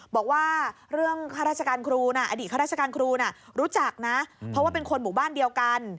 บอกว่าเรื่องอดีตข้าราชการครูน่ะรู้จักนะเพราะว่าเป็นคนหมู่บ้านเดียวกัน